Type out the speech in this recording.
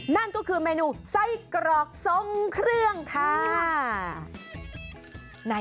นั่นก็คือเมนูไส้กรอกทรงเครื่องค่ะ